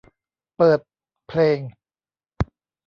เปิดเพลง